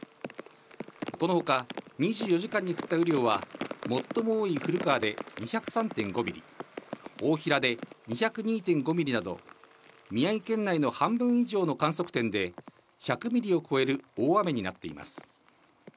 このほか、２４時間に降った雨量は、最も多い古川で２０３．５ミリ、大衡で２０２．５ミリなど、宮城県内の半分以上の観測点で１００ミリを超える大雨になっています。